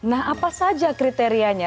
nah apa saja kriterianya